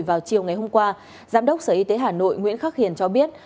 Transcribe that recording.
vào chiều ngày hôm qua giám đốc sở y tế hà nội nguyễn khắc hiền cho biết